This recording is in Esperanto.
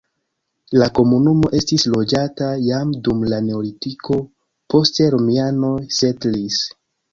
La komunumo estis loĝata jam dum la neolitiko, poste romianoj setlis.